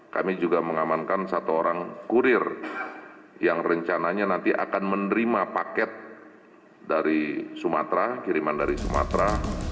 kami juga mengamankan satu orang kurir yang rencananya nanti akan menerima paket dari sumatera kiriman dari sumatera